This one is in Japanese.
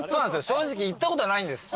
正直行ったことはないんです。